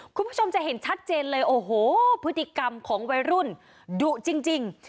คุณผู้ชมจะเห็นชัดเจนเลยโอ้โหพฤติกรรมของวัยรุ่นดุจริง